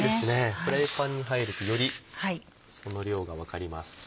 フライパンに入るとよりその量が分かります。